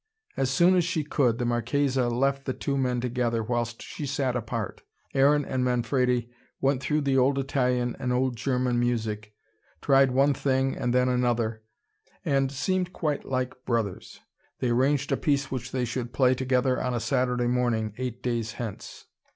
As soon as she could, the Marchesa left the two men together, whilst she sat apart. Aaron and Manfredi went through old Italian and old German music, tried one thing and then another, and seemed quite like brothers. They arranged a piece which they should play together on a Saturday morning, eight days hence.